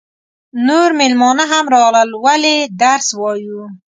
نور مېلمانه هم راغلل ولې درس وایو.